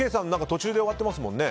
途中で終わってますもんね。